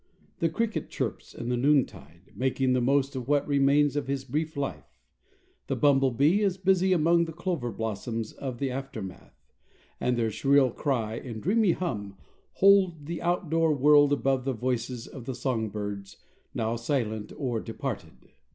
The cricket chirps in the noontide, making the most of what remains of his brief life; the bumblebee is busy among the clover blossoms of the aftermath; and their shrill cry and dreamy hum hold the outdoor world above the voices of the song birds, now silent or departed.